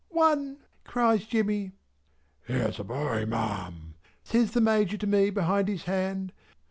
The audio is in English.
"One!" cries Jemmy. ("Here's a boy, Ma'am!" says the Major to me behind his hand.)